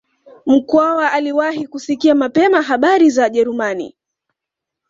Mkwawa aliwahi kusikia mapema habari za Wajerumani